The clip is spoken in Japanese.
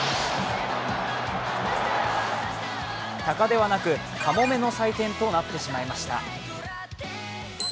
鷹ではなくカモメの祭典となってしまいました。